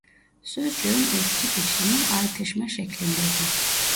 Sözcüğün eski biçimi Aytışma şeklindedir.